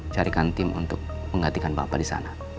carikan tim untuk menggantikan bapak disana